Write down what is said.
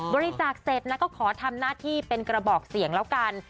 บริจาคเสร็จนะก็ขอทำหน้าที่เป็นกระบอกเสียงแล้วกัน